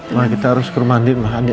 ma kita harus ke rumah andin